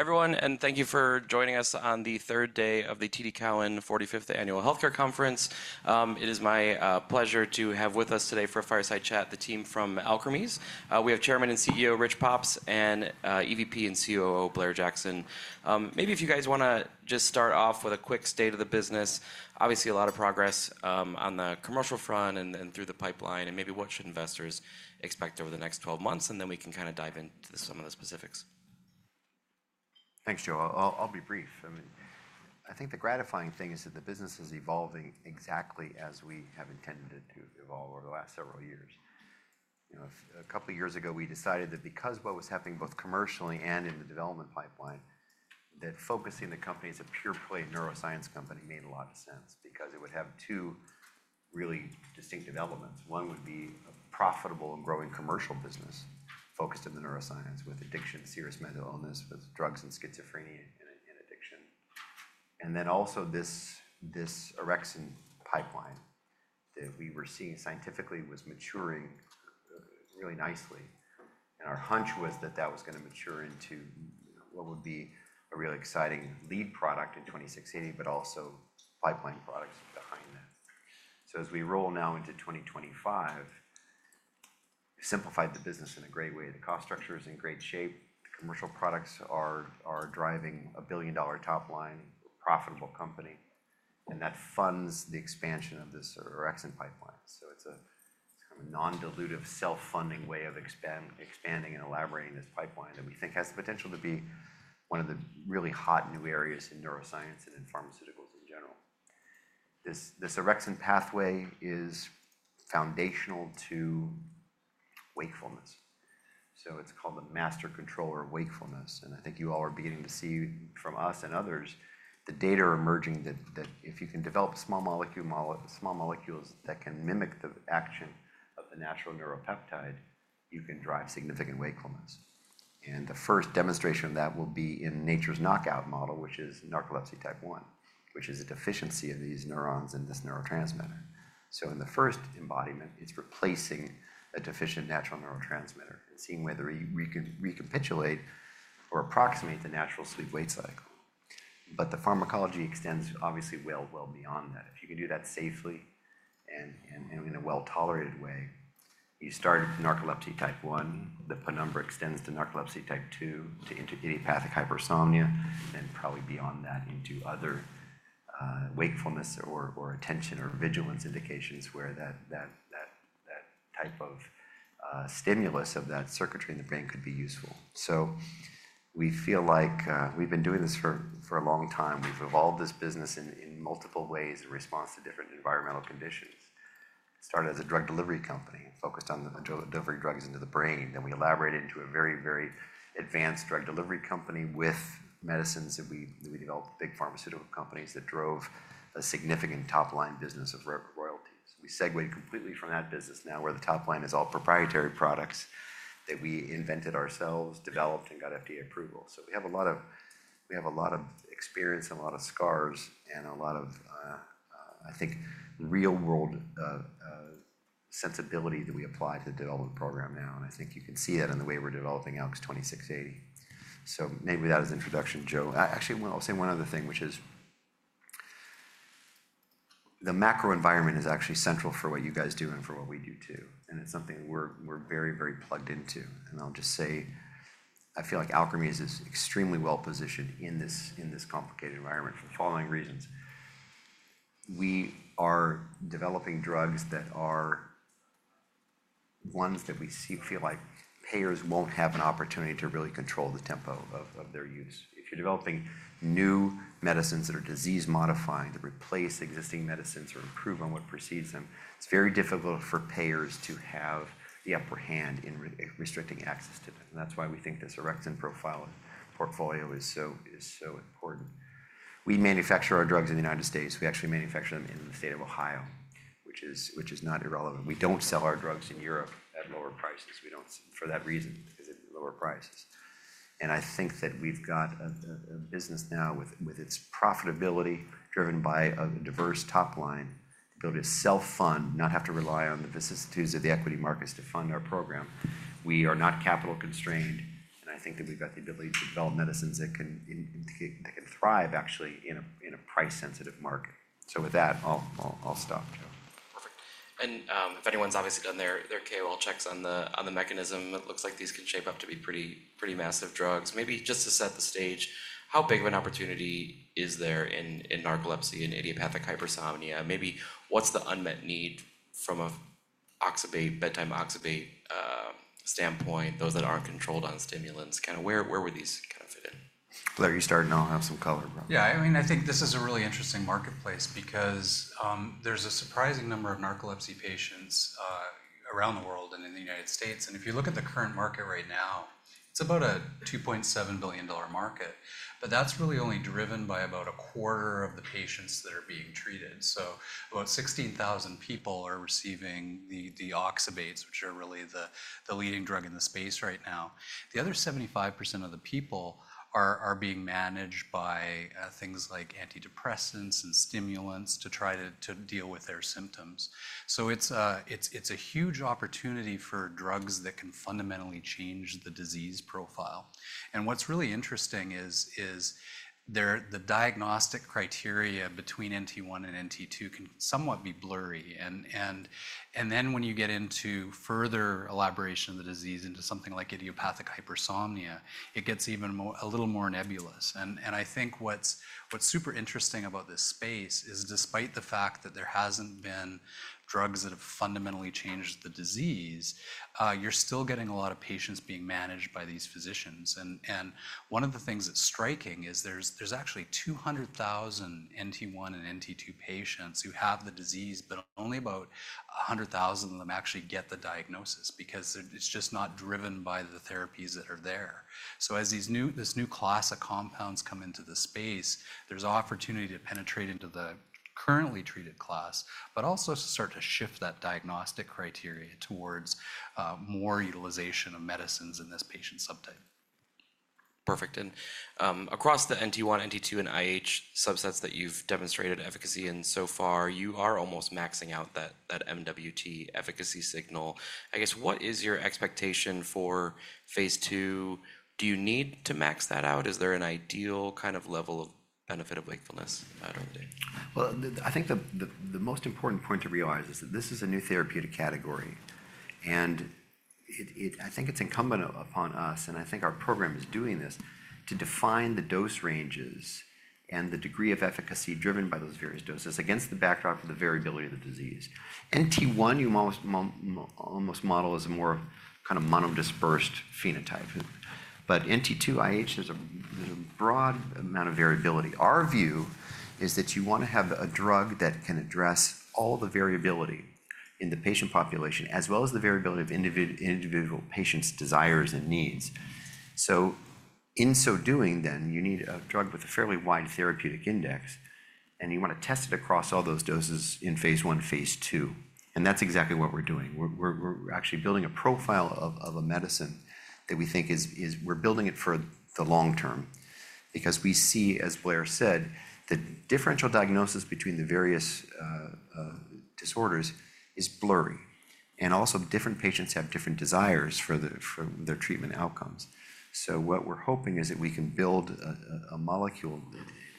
Everyone, and thank you for joining us on the third day of the TD Cowen 45th Annual Healthcare Conference. It is my pleasure to have with us today for a fireside chat the team from Alkermes. We have Chairman and CEO Rich Pops and EVP and COO Blair Jackson. Maybe if you guys want to just start off with a quick state of the business, obviously a lot of progress on the commercial front and through the pipeline, and maybe what should investors expect over the next 12 months, and then we can kind of dive into some of the specifics. Thanks, Joe. I'll be brief. I think the gratifying thing is that the business is evolving exactly as we have intended it to evolve over the last several years. A couple of years ago, we decided that because what was happening both commercially and in the development pipeline, that focusing the company as a pure-play neuroscience company made a lot of sense because it would have two really distinctive elements. One would be a profitable and growing commercial business focused on the neuroscience with addiction, serious mental illness, with drugs and schizophrenia and addiction. And then also this orexin pipeline that we were seeing scientifically was maturing really nicely. And our hunch was that that was going to mature into what would be a really exciting lead product in ALKS 2680, but also pipeline products behind that. So as we roll now into 2025, we've simplified the business in a great way. The cost structure is in great shape. The commercial products are driving a billion-dollar top line, profitable company, and that funds the expansion of this orexin pipeline. So it's a non-dilutive self-funding way of expanding and elaborating this pipeline that we think has the potential to be one of the really hot new areas in neuroscience and in pharmaceuticals in general. This orexin pathway is foundational to wakefulness. So it's called the master controller of wakefulness. And I think you all are beginning to see from us and others the data emerging that if you can develop small molecules that can mimic the action of the natural neuropeptide, you can drive significant wakefulness. And the first demonstration of that will be in nature's knockout model, which is narcolepsy type 1, which is a deficiency of these neurons in this neurotransmitter. So in the first embodiment, it's replacing a deficient natural neurotransmitter and seeing whether we can recapitulate or approximate the natural sleep-wake cycle. But the pharmacology extends obviously well, well beyond that. If you can do that safely and in a well-tolerated way, you start narcolepsy type 1, the penumbra extends to narcolepsy type 2, to idiopathic hypersomnia, and probably beyond that into other wakefulness or attention or vigilance indications where that type of stimulus of that circuitry in the brain could be useful. So we feel like we've been doing this for a long time. We've evolved this business in multiple ways in response to different environmental conditions. It started as a drug delivery company focused on delivering drugs into the brain. Then we elaborated into a very, very advanced drug delivery company with medicines that we developed, big pharmaceutical companies that drove a significant top line business of royalties. We segued completely from that business now where the top line is all proprietary products that we invented ourselves, developed, and got FDA approval. So we have a lot of experience and a lot of scars and a lot of, I think, real-world sensibility that we apply to the development program now. And I think you can see that in the way we're developing ALKS 2680. So maybe that is introduction, Joe. Actually, I'll say one other thing, which is the macro environment is actually central for what you guys do and for what we do too. And it's something we're very, very plugged into. I'll just say I feel like Alkermes is extremely well-positioned in this complicated environment for the following reasons. We are developing drugs that are ones that we feel like payers won't have an opportunity to really control the tempo of their use. If you're developing new medicines that are disease-modifying to replace existing medicines or improve on what precedes them, it's very difficult for payers to have the upper hand in restricting access to them. That's why we think this orexin profile portfolio is so important. We manufacture our drugs in the United States. We actually manufacture them in the state of Ohio, which is not irrelevant. We don't sell our drugs in Europe at lower prices. We don't for that reason, because of lower prices. And I think that we've got a business now with its profitability driven by a diverse top line, the ability to self-fund, not have to rely on the vicissitudes of the equity markets to fund our program. We are not capital constrained. And I think that we've got the ability to develop medicines that can thrive, actually, in a price-sensitive market. So with that, I'll stop, Joe. Perfect. And if anyone's obviously done their KOL checks on the mechanism, it looks like these can shape up to be pretty massive drugs. Maybe just to set the stage, how big of an opportunity is there in narcolepsy and idiopathic hypersomnia? Maybe what's the unmet need from a bedtime oxybate standpoint, those that aren't controlled on stimulants? Kind of where would these kind of fit in? Blair, you start and I'll have some color. Yeah, I mean, I think this is a really interesting marketplace because there's a surprising number of narcolepsy patients around the world and in the United States. And if you look at the current market right now, it's about a $2.7 billion market. But that's really only driven by about a quarter of the patients that are being treated. So about 16,000 people are receiving the oxybates, which are really the leading drug in the space right now. The other 75% of the people are being managed by things like antidepressants and stimulants to try to deal with their symptoms. So it's a huge opportunity for drugs that can fundamentally change the disease profile. And what's really interesting is the diagnostic criteria between NT1 and NT2 can somewhat be blurry. And then when you get into further elaboration of the disease into something like idiopathic hypersomnia, it gets even a little more nebulous. And I think what's super interesting about this space is despite the fact that there hasn't been drugs that have fundamentally changed the disease, you're still getting a lot of patients being managed by these physicians. And one of the things that's striking is there's actually 200,000 NT1 and NT2 patients who have the disease, but only about 100,000 of them actually get the diagnosis because it's just not driven by the therapies that are there. So as this new class of compounds come into the space, there's opportunity to penetrate into the currently treated class, but also to start to shift that diagnostic criteria towards more utilization of medicines in this patient subtype. Perfect. And across the NT1, NT2, and IH subsets that you've demonstrated efficacy in so far, you are almost maxing out that MWT efficacy signal. I guess what is your expectation for phase two? Do you need to max that out? Is there an ideal kind of level of benefit of wakefulness out of there? Well, I think the most important point to realize is that this is a new therapeutic category. And I think it's incumbent upon us, and I think our program is doing this, to define the dose ranges and the degree of efficacy driven by those various doses against the backdrop of the variability of the disease. NT1 you almost model as a more kind of mono-dispersed phenotype. But NT2, IH, there's a broad amount of variability. Our view is that you want to have a drug that can address all the variability in the patient population as well as the variability of individual patients' desires and needs. So in so doing, then you need a drug with a fairly wide therapeutic index, and you want to test it across all those doses in phase one and phase two. And that's exactly what we're doing. We're actually building a profile of a medicine that we're building for the long term because we see, as Blair said, the differential diagnosis between the various disorders is blurry, and also different patients have different desires for their treatment outcomes, so what we're hoping is that we can build a molecule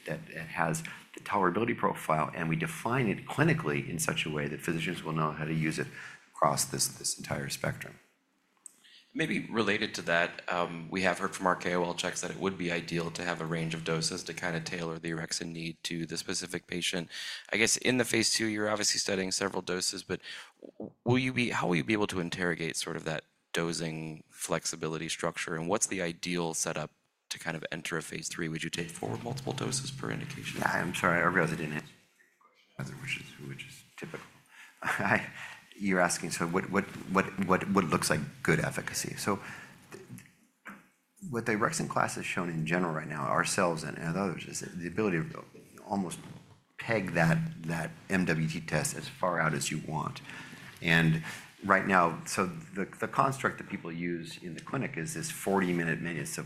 that has the tolerability profile, and we define it clinically in such a way that physicians will know how to use it across this entire spectrum. Maybe related to that, we have heard from our KOL checks that it would be ideal to have a range of doses to kind of tailor the orexin need to the specific patient. I guess in the phase two, you're obviously studying several doses, but how will you be able to interrogate sort of that dosing flexibility structure? And what's the ideal setup to kind of enter a phase three? Would you take for multiple doses per indication? I'm sorry, I really didn't answer that question. Which is typical. You're asking sort of what looks like good efficacy. So what the orexin class has shown in general right now, ourselves and others, is the ability to almost peg that MWT test as far out as you want. And right now, so the construct that people use in the clinic is this 40-minute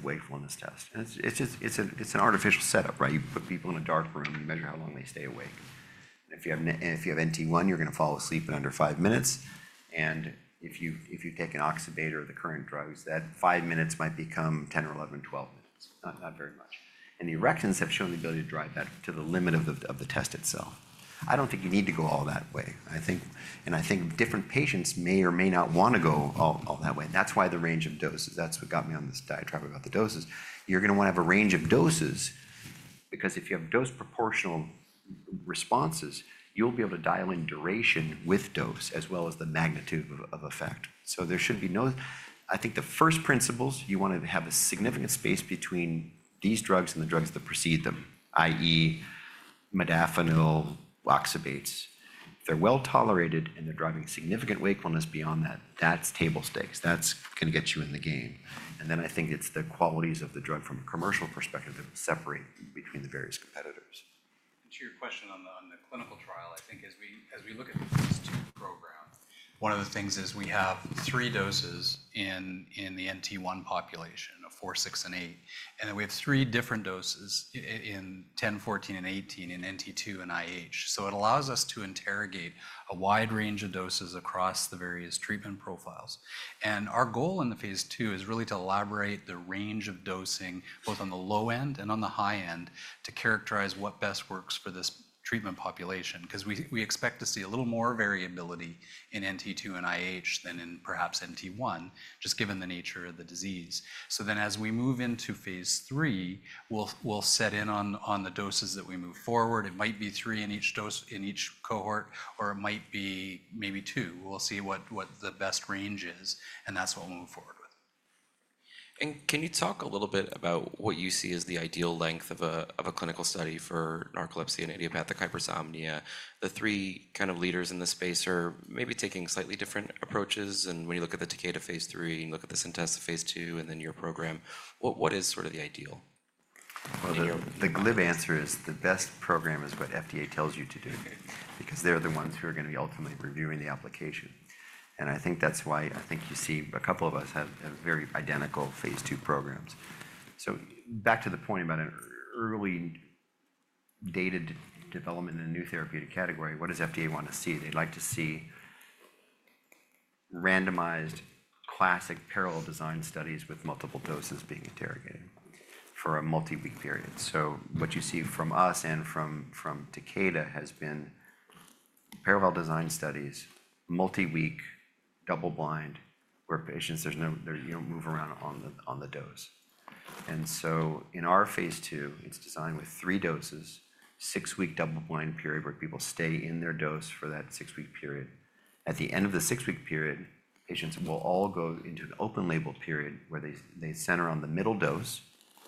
wakefulness test. It's an artificial setup, right? You put people in a dark room, you measure how long they stay awake. And if you have NT1, you're going to fall asleep in under five minutes. And if you take an oxybate or the current drugs, that five minutes might become 10 or 11, 12 minutes, not very much. And the orexins have shown the ability to drive that to the limit of the test itself. I don't think you need to go all that way, and I think different patients may or may not want to go all that way. That's why the range of doses, that's what got me on this diatribe about the doses. You're going to want to have a range of doses because if you have dose-proportional responses, you'll be able to dial in duration with dose as well as the magnitude of effect. So there should be no, I think, the first principles. You want to have a significant space between these drugs and the drugs that precede them, i.e., modafinil, oxybates. If they're well tolerated and they're driving significant wakefulness beyond that, that's table stakes. That's going to get you in the game, and then I think it's the qualities of the drug from a commercial perspective that separate between the various competitors. To your question on the clinical trial, I think as we look at the phase two program, one of the things is we have three doses in the NT1 population of four, six, and eight, and then we have three different doses in 10, 14, and 18 in NT2 and IH, so it allows us to interrogate a wide range of doses across the various treatment profiles, and our goal in the phase two is really to elaborate the range of dosing both on the low end and on the high end to characterize what best works for this treatment population because we expect to see a little more variability in NT2 and IH than in perhaps NT1, just given the nature of the disease, so then as we move into phase three, we'll set in on the doses that we move forward. It might be three in each cohort, or it might be maybe two. We'll see what the best range is, and that's what we'll move forward with. And can you talk a little bit about what you see as the ideal length of a clinical study for narcolepsy and idiopathic hypersomnia? The three kind of leaders in the space are maybe taking slightly different approaches. And when you look at the Takeda phase three, you look at the Centessa phase two, and then your program, what is sort of the ideal? The glib answer is the best program is what FDA tells you to do because they're the ones who are going to be ultimately reviewing the application. And I think that's why I think you see a couple of us have very identical phase two programs. So back to the point about an early-stage development in a new therapeutic category, what does FDA want to see? They'd like to see randomized classic parallel design studies with multiple doses being interrogated for a multi-week period. So what you see from us and from Takeda has been parallel design studies, multi-week, double-blind, where patients you don't move around on the dose. And so in our phase two, it's designed with three doses, six-week double-blind period where people stay in their dose for that six-week period. At the end of the six-week period, patients will all go into an open label period where they center on the middle dose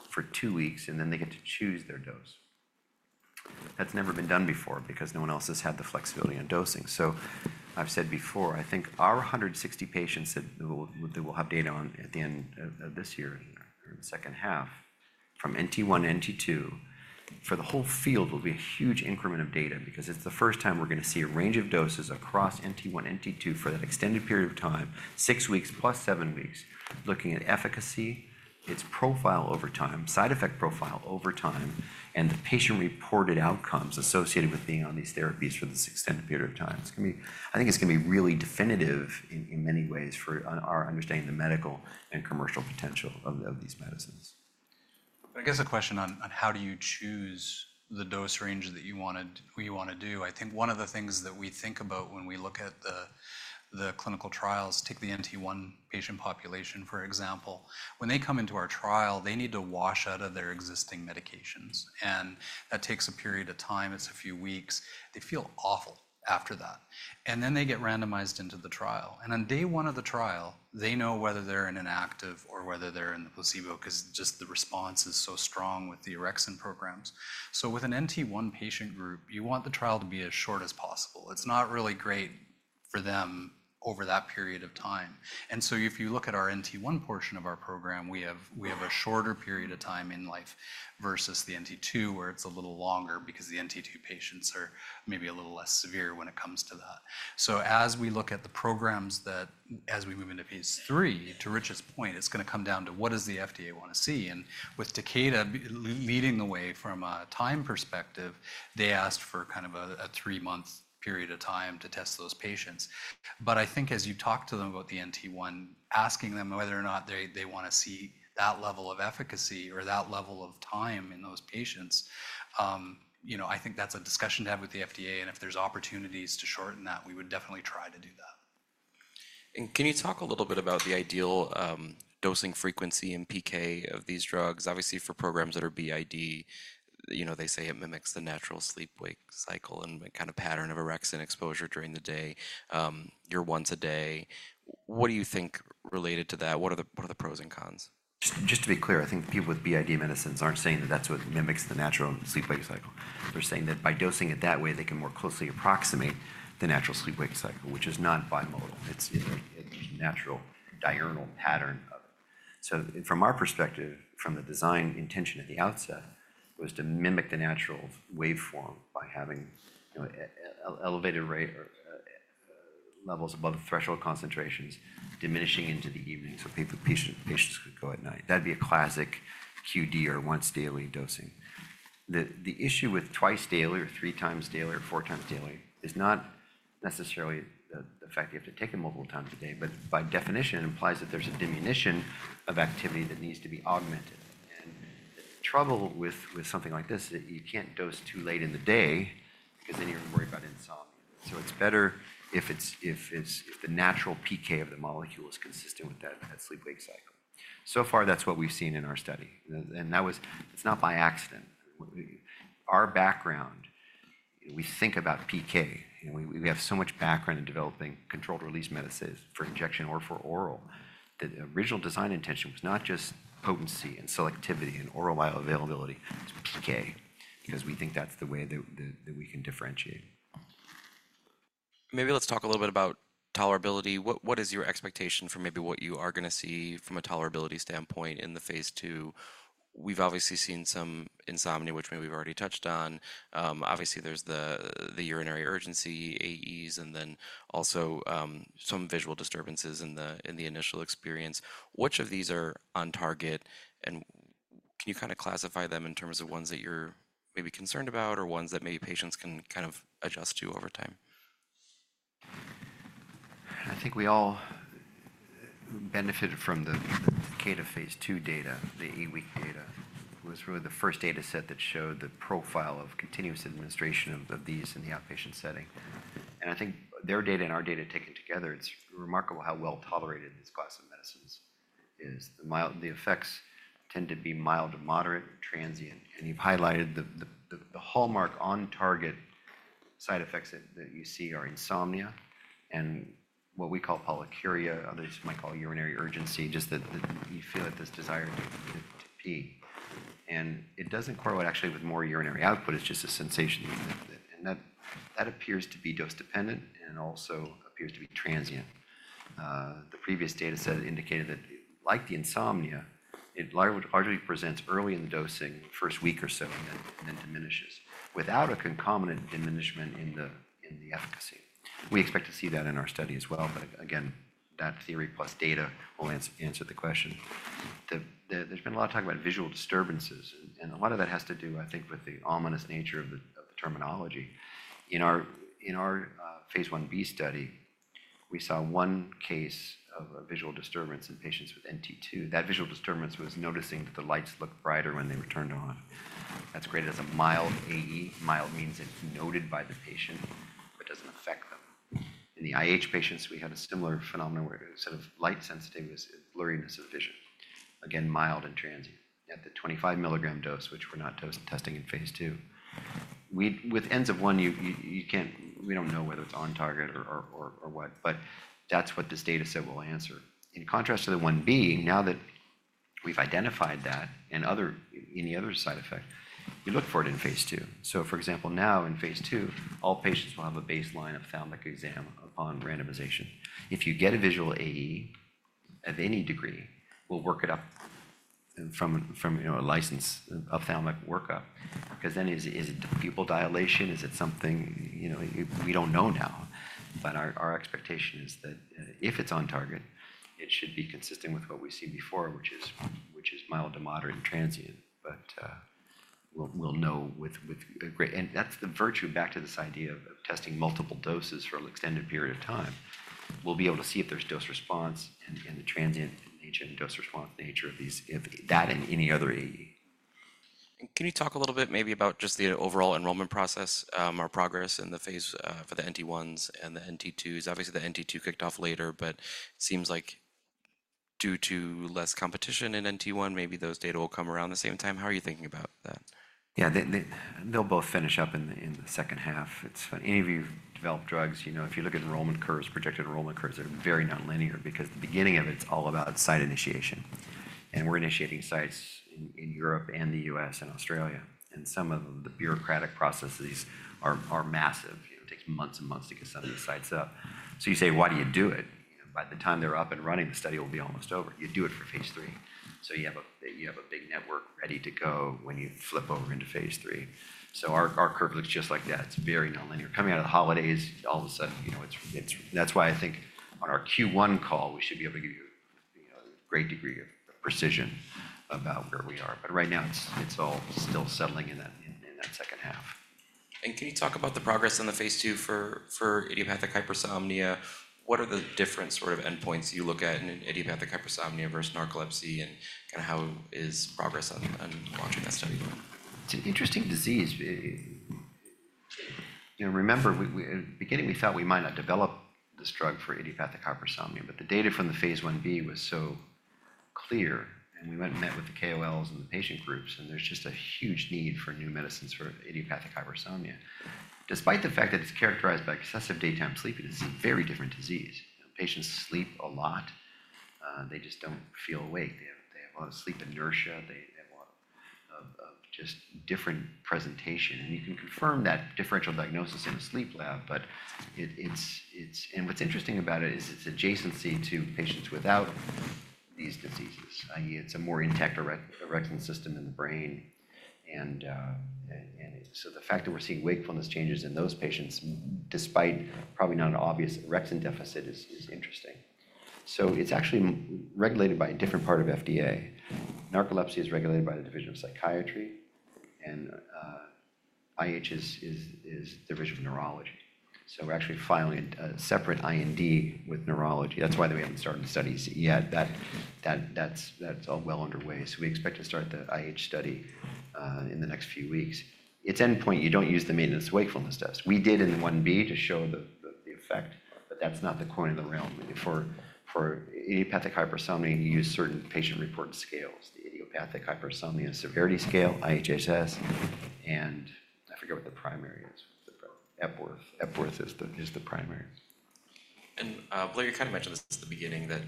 for two weeks, and then they get to choose their dose. That's never been done before because no one else has had the flexibility on dosing, so I've said before, I think our 160 patients that we'll have data on at the end of this year in the second half from NT1, NT2 for the whole field will be a huge increment of data because it's the first time we're going to see a range of doses across NT1, NT2 for that extended period of time, six weeks plus seven weeks, looking at efficacy, its profile over time, side effect profile over time, and the patient-reported outcomes associated with being on these therapies for this extended period of time. I think it's going to be really definitive in many ways for our understanding of the medical and commercial potential of these medicines. I guess a question on how do you choose the dose range that you want to do. I think one of the things that we think about when we look at the clinical trials. Take the NT1 patient population, for example. When they come into our trial, they need to wash out of their existing medications. And that takes a period of time. It's a few weeks. They feel awful after that. And then they get randomized into the trial. And on day one of the trial, they know whether they're in an active or whether they're in the placebo because just the response is so strong with the orexin programs. So with an NT1 patient group, you want the trial to be as short as possible. It's not really great for them over that period of time. And so if you look at our NT1 portion of our program, we have a shorter period of time in life versus the NT2 where it's a little longer because the NT2 patients are maybe a little less severe when it comes to that. So as we look at the programs as we move into phase 3, to Rich's point, it's going to come down to what does the FDA want to see. And with Takeda leading the way from a time perspective, they asked for kind of a three-month period of time to test those patients. But I think as you talk to them about the NT1, asking them whether or not they want to see that level of efficacy or that level of time in those patients, I think that's a discussion to have with the FDA. If there's opportunities to shorten that, we would definitely try to do that. Can you talk a little bit about the ideal dosing frequency and PK of these drugs? Obviously, for programs that are BID, they say it mimics the natural sleep-wake cycle and kind of pattern of orexin exposure during the day, or once a day. What do you think related to that? What are the pros and cons? Just to be clear, I think people with BID medicines aren't saying that that's what mimics the natural sleep-wake cycle. They're saying that by dosing it that way, they can more closely approximate the natural sleep-wake cycle, which is not bimodal. It's a natural diurnal pattern of it. So from our perspective, from the design intention at the outset, it was to mimic the natural waveform by having elevated levels above threshold concentrations diminishing into the evening so patients could go at night. That'd be a classic QD or once daily dosing. The issue with twice daily or three times daily or four times daily is not necessarily the fact that you have to take them multiple times a day, but by definition, it implies that there's a diminution of activity that needs to be augmented. And the trouble with something like this is that you can't dose too late in the day because then you're going to worry about insomnia. So it's better if the natural PK of the molecule is consistent with that sleep-wake cycle. So far, that's what we've seen in our study. And that was. It's not by accident. Our background, we think about PK. We have so much background in developing controlled-release medicines for injection or for oral that the original design intention was not just potency and selectivity and oral availability. It's PK because we think that's the way that we can differentiate. Maybe let's talk a little bit about tolerability. What is your expectation for maybe what you are going to see from a tolerability standpoint in the phase 2? We've obviously seen some insomnia, which maybe we've already touched on. Obviously, there's the urinary urgency, AEs, and then also some visual disturbances in the initial experience. Which of these are on target? And can you kind of classify them in terms of ones that you're maybe concerned about or ones that maybe patients can kind of adjust to over time? I think we all benefited from the Takeda phase two data, the eight-week data. It was really the first data set that showed the profile of continuous administration of these in the outpatient setting, and I think their data and our data taken together, it's remarkable how well tolerated this class of medicines is. The effects tend to be mild to moderate, transient, and you've highlighted the hallmark on-target side effects that you see are insomnia and what we call polyuria, others might call urinary urgency, just that you feel this desire to pee. And it doesn't correlate actually with more urinary output. It's just a sensation, and that appears to be dose-dependent and also appears to be transient. The previous data set indicated that, like the insomnia, it largely presents early in the dosing, first week or so, and then diminishes without a concomitant diminishment in the efficacy. We expect to see that in our study as well. But again, that theory plus data will answer the question. There's been a lot of talk about visual disturbances. And a lot of that has to do, I think, with the ominous nature of the terminology. In our phase 1b study, we saw one case of a visual disturbance in patients with NT2. That visual disturbance was noticing that the lights looked brighter when they were turned on. That's graded as a mild AE. Mild means it's noted by the patient, but doesn't affect them. In the IH patients, we had a similar phenomenon where instead of light sensitivity, it was blurriness of vision. Again, mild and transient. At the 25-milligram dose, which we're not testing in phase 2, with NT1, we don't know whether it's on target or what, but that's what this data set will answer. In contrast to the 1B, now that we've identified that and any other side effect, you look for it in phase two. So for example, now in phase two, all patients will have a baseline ophthalmic exam upon randomization. If you get a visual AE of any degree, we'll work it up from a licensed ophthalmologist workup because then, is it pupil dilation? Is it something we don't know now? But our expectation is that if it's on target, it should be consistent with what we've seen before, which is mild to moderate and transient. But we'll know with greater certainty, and that's the virtue of this idea of testing multiple doses for an extended period of time. We'll be able to see if there's dose response and the transient nature and dose response nature of that and any other AE. Can you talk a little bit maybe about just the overall enrollment process or progress in the phase for the NT1s and the NT2s? Obviously, the NT2 kicked off later, but it seems like due to less competition in NT1, maybe those data will come around the same time. How are you thinking about that? Yeah, they'll both finish up in the second half. Any of you who've developed drugs, if you look at enrollment curves, projected enrollment curves, they're very nonlinear because the beginning of it, it's all about site initiation. And we're initiating sites in Europe and the U.S. and Australia. And some of the bureaucratic processes are massive. It takes months and months to get some of these sites up. So you say, why do you do it? By the time they're up and running, the study will be almost over. You do it for phase three. So our curve looks just like that. It's very nonlinear. Coming out of the holidays, all of a sudden, that's why I think on our Q1 call, we should be able to give you a great degree of precision about where we are. But right now, it's all still settling in that second half. Can you talk about the progress on the phase two for idiopathic hypersomnia? What are the different sort of endpoints you look at in idiopathic hypersomnia versus narcolepsy and kind of how is the progress on that study? It's an interesting disease. Remember, in the beginning, we thought we might not develop this drug for idiopathic hypersomnia, but the data from the phase 1b was so clear, and we went and met with the KOLs and the patient groups, and there's just a huge need for new medicines for idiopathic hypersomnia. Despite the fact that it's characterized by excessive daytime sleepiness, it is a very different disease. Patients sleep a lot. They just don't feel awake. They have a lot of sleep inertia. They have a lot of just different presentation, and you can confirm that differential diagnosis in a sleep lab, but what's interesting about it is its adjacency to patients without these diseases. It's a more intact orexin system in the brain, and so the fact that we're seeing wakefulness changes in those patients despite probably not an obvious orexin deficit is interesting. So it's actually regulated by a different part of FDA. Narcolepsy is regulated by the Division of Psychiatry, and IH is the Division of Neurology. So we're actually filing a separate IND with Neurology. That's why we haven't started the studies yet. That's all well underway. So we expect to start the IH study in the next few weeks. Its endpoint, you don't use the Maintenance Wakefulness Test. We did in the one B to show the effect, but that's not the coin of the realm. For idiopathic hypersomnia, you use certain patient-reported scales, the Idiopathic Hypersomnia Severity Scale, IHSS, and I forget what the primary is. Epworth is the primary. And Blair, you kind of mentioned this at the beginning, that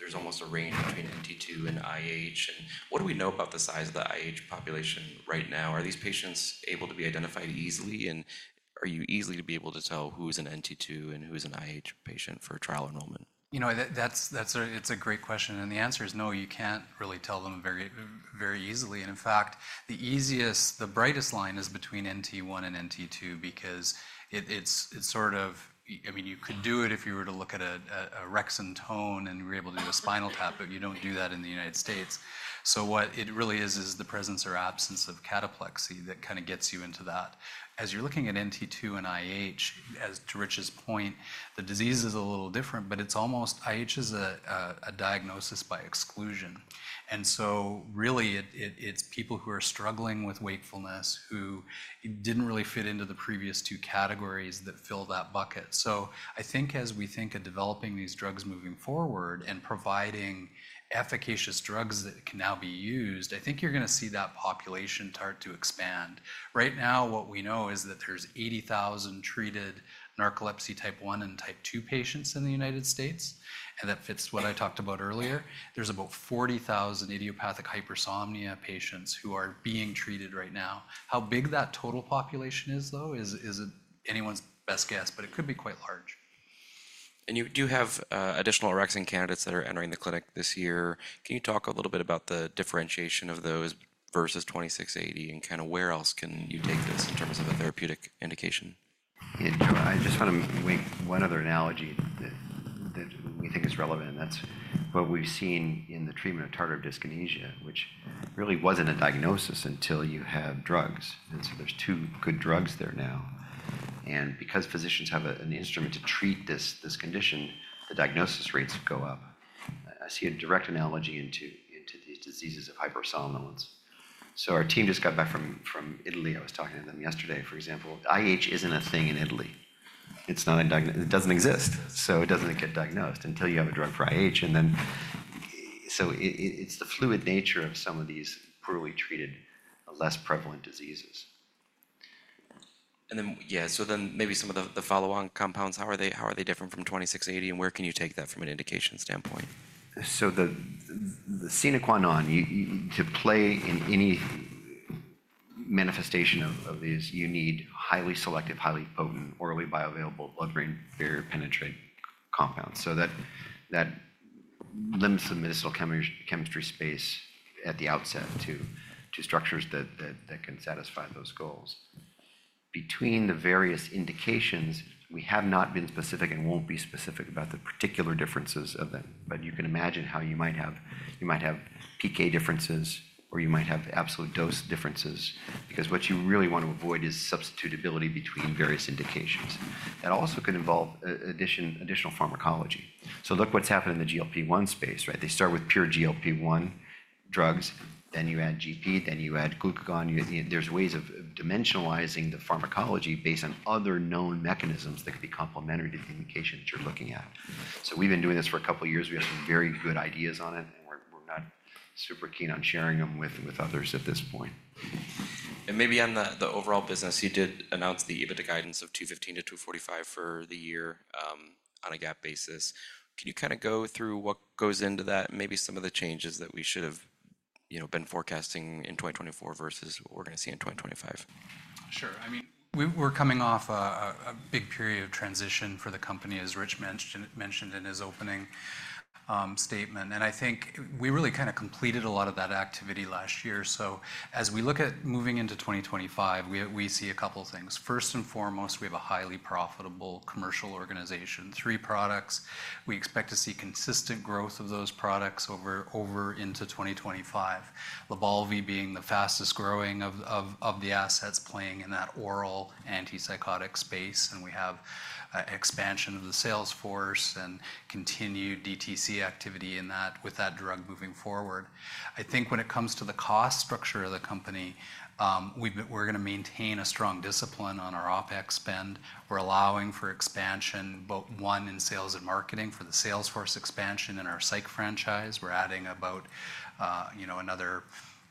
there's almost a range between NT2 and IH. And what do we know about the size of the IH population right now? Are these patients able to be identified easily? And are you easily to be able to tell who is an NT2 and who is an IH patient for trial enrollment? You know, it's a great question, and the answer is no, you can't really tell them very easily, and in fact, the easiest, the brightest line is between NT1 and NT2 because it's sort of, I mean, you could do it if you were to look at orexin tone and you're able to do a spinal tap, but you don't do that in the United States. So what it really is, is the presence or absence of cataplexy that kind of gets you into that. As you're looking at NT2 and IH, as to Rich's point, the disease is a little different, but it's almost IH is a diagnosis by exclusion, and so really, it's people who are struggling with wakefulness who didn't really fit into the previous two categories that fill that bucket. I think as we think of developing these drugs moving forward and providing efficacious drugs that can now be used, I think you're going to see that population start to expand. Right now, what we know is that there's 80,000 treated narcolepsy Type 1 and Type 2 patients in the United States. That fits what I talked about earlier. There's about 40,000 idiopathic hypersomnia patients who are being treated right now. How big that total population is, though, is anyone's best guess, but it could be quite large. You do have additional orexin candidates that are entering the clinic this year. Can you talk a little bit about the differentiation of those versus 2680 and kind of where else can you take this in terms of a therapeutic indication? I just want to make one other analogy that we think is relevant. And that's what we've seen in the treatment of tardive dyskinesia, which really wasn't a diagnosis until you have drugs. And so there's two good drugs there now. And because physicians have an instrument to treat this condition, the diagnosis rates go up. I see a direct analogy into these diseases of hypersomnolence. So our team just got back from Italy. I was talking to them yesterday, for example. IH isn't a thing in Italy. It doesn't exist. So it doesn't get diagnosed until you have a drug for IH. And then so it's the fluid nature of some of these poorly treated, less prevalent diseases. And then, yeah, so then maybe some of the follow-on compounds, how are they different from 2680? And where can you take that from an indication standpoint? So the sine qua non, to play in any manifestation of these, you need highly selective, highly potent, orally bioavailable blood-brain barrier penetrating compounds. So that limits the medicinal chemistry space at the outset to structures that can satisfy those goals. Between the various indications, we have not been specific and won't be specific about the particular differences of them. But you can imagine how you might have PK differences or you might have absolute dose differences because what you really want to avoid is substitutability between various indications. That also could involve additional pharmacology. So look what's happened in the GLP-1 space, right? They start with pure GLP-1 drugs. Then you add GIP, then you add glucagon. There's ways of dimensionalizing the pharmacology based on other known mechanisms that could be complementary to the indication that you're looking at. So we've been doing this for a couple of years. We have some very good ideas on it, and we're not super keen on sharing them with others at this point. Maybe on the overall business, you did announce the EBITDA guidance of 215-245 for the year on a GAAP basis. Can you kind of go through what goes into that and maybe some of the changes that we should have been forecasting in 2024 versus what we're going to see in 2025? Sure. I mean, we're coming off a big period of transition for the company, as Rich mentioned in his opening statement. And I think we really kind of completed a lot of that activity last year. So as we look at moving into 2025, we see a couple of things. First and foremost, we have a highly profitable commercial organization, three products. We expect to see consistent growth of those products over into 2025, Lybalvi being the fastest growing of the assets playing in that oral antipsychotic space. And we have expansion of the sales force and continued DTC activity with that drug moving forward. I think when it comes to the cost structure of the company, we're going to maintain a strong discipline on our OpEx spend. We're allowing for expansion, both in sales and marketing for the sales force expansion in our psych franchise. We're adding about another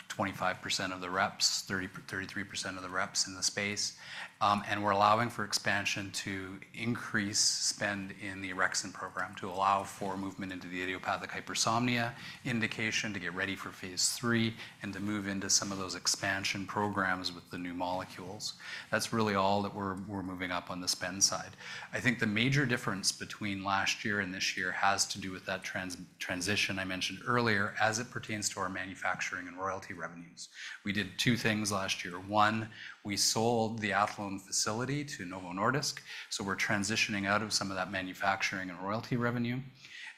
25% of the reps, 33% of the reps in the space, and we're allowing for expansion to increase spend in the orexin program to allow for movement into the idiopathic hypersomnia indication to get ready for phase 3 and to move into some of those expansion programs with the new molecules. That's really all that we're moving up on the spend side. I think the major difference between last year and this year has to do with that transition I mentioned earlier as it pertains to our manufacturing and royalty revenues. We did two things last year. One, we sold the Athlone facility to Novo Nordisk. So we're transitioning out of some of that manufacturing and royalty revenue,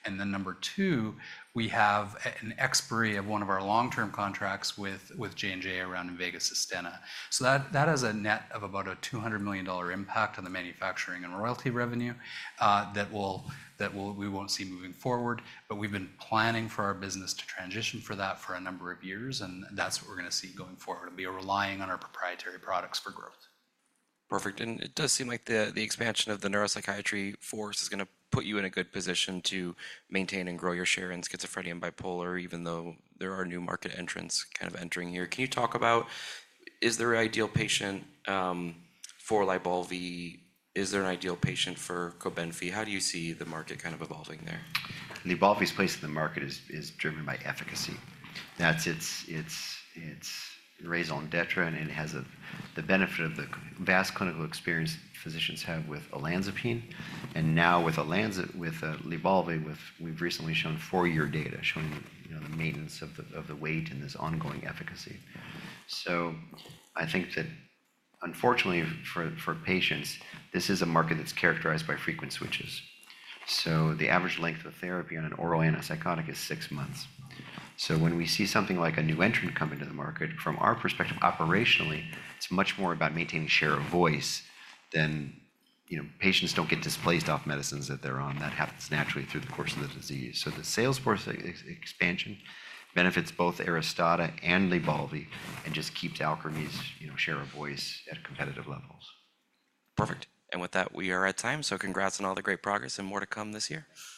and then number two, we have an expiry of one of our long-term contracts with J&J around Invega Sustenna. That has a net of about a $200 million impact on the manufacturing and royalty revenue that we won't see moving forward. But we've been planning for our business to transition for that for a number of years, and that's what we're going to see going forward. We are relying on our proprietary products for growth. Perfect. And it does seem like the expansion of the neuropsychiatry force is going to put you in a good position to maintain and grow your share in schizophrenia and bipolar, even though there are new market entrants kind of entering here. Can you talk about, is there an ideal patient for Lybalvi? Is there an ideal patient for Cobenfy? How do you see the market kind of evolving there? Lybalvi's place in the market is driven by efficacy. That's its raison d'être, and it has the benefit of the vast clinical experience physicians have with olanzapine. And now with Lybalvi, we've recently shown four-year data showing the maintenance of the weight and this ongoing efficacy. So I think that, unfortunately, for patients, this is a market that's characterized by frequent switches. So the average length of therapy on an oral antipsychotic is six months. So when we see something like a new entrant come into the market, from our perspective, operationally, it's much more about maintaining share of voice than patients don't get displaced off medicines that they're on. That happens naturally through the course of the disease. So the sales force expansion benefits both Aristada and Lybalvi and just keeps Alkermes' share of voice at competitive levels. Perfect. And with that, we are at time. So congrats on all the great progress and more to come this year.